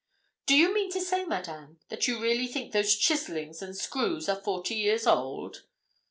'Do you mean to say, Madame, that you really think those chisellings and screws are forty years old?'